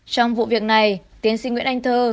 trong vụ việc này tiến sinh nguyễn anh thơ